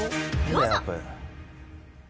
どうぞ。